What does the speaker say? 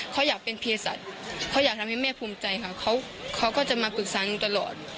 เขาอยากเป็นเพศสัตว์เขาอยากทำให้แม่ภูมิใจค่ะเขาก็จะมาปรึกษาหนูตลอด